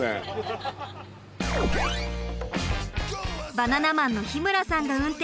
バナナマンの日村さんが運転するひむ